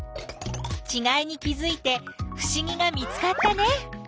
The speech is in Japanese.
ちがいに気づいてふしぎが見つかったね！